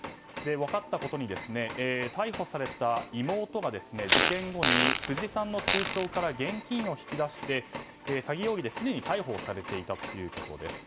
分かったことに、逮捕された妹が事件後に辻さんの通帳から現金を引き出して詐欺容疑ですでに逮捕されていたということです。